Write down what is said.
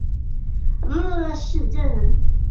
帕略萨是巴西圣卡塔琳娜州的一个市镇。